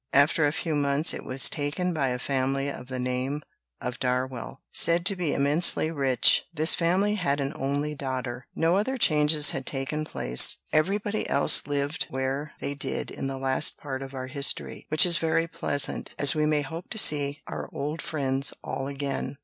After a few months it was taken by a family of the name of Darwell, said to be immensely rich: this family had an only daughter. No other changes had taken place; everybody else lived where they did in the last part of our history, which is very pleasant, as we may hope to see our old friends all again.